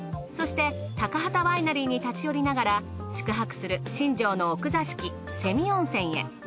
そして高畠ワイナリーに立ち寄りながら宿泊する新庄の奥座敷瀬見温泉へ。